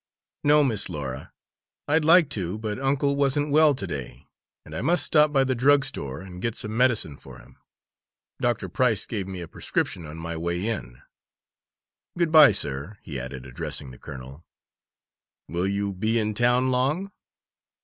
"No, Miss Laura; I'd like to, but uncle wasn't well to day and I must stop by the drug store and get some medicine for him. Dr. Price gave me a prescription on my way in. Good bye, sir," he added, addressing the colonel. "Will you be in town long?"